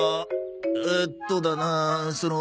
えっとだなその。